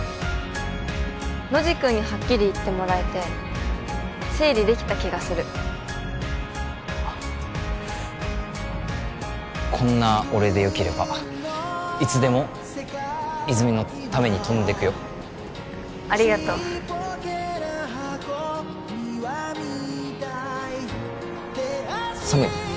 ノジ君にはっきり言ってもらえて整理できた気がするこんな俺でよければいつでも泉のために飛んでくよありがとう寒い？